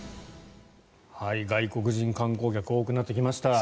外国人観光客多くなってきました。